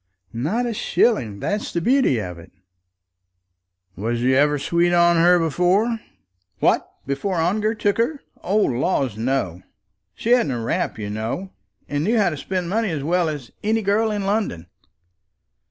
"Not a shilling. That's the beauty of it." "Was you ever sweet on her before?" "What! before Ongar took her? O laws, no. She hadn't a rap, you know; and knew how to spend money as well as any girl in London."